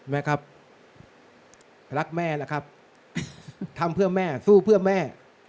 แม่ครับรักแม่นะครับทำเพื่อแม่สู้เพื่อแม่